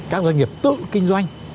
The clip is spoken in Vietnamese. các doanh nghiệp tự kinh doanh